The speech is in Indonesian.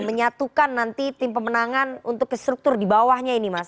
menyatukan nanti tim pemenangan untuk kesrukturannya